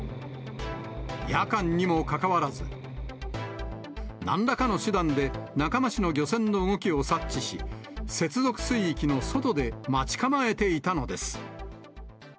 夜間にもかかわらず、なんらかの手段で仲間氏の漁船の動きを察知し、接続水域の外で、待ち構えていたのです。